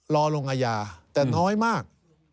รอลงอาญาแต่น้อยมาก